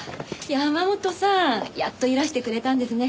山本さん！やっといらしてくれたんですね。